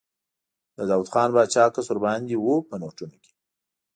د داووخان باچا عکس ور باندې و په نوټونو کې.